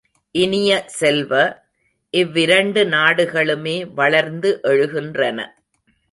இனிய செல்வ, இவ்விரண்டு நாடுகளுமே வளர்ந்து எழுகின்றன.